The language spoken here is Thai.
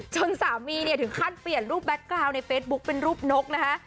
สามีเนี่ยถึงขั้นเปลี่ยนรูปแก๊กกราวในเฟซบุ๊คเป็นรูปนกนะฮะ